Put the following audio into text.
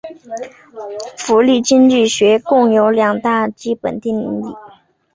福利经济学共有两大基本定理。